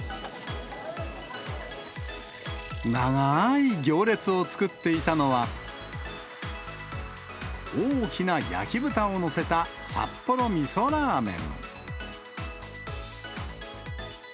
長ーい行列を作っていたのは、大きな焼き豚を載せた札幌みそラーメン。